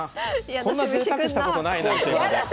こんなぜいたくしたことないな桂馬で。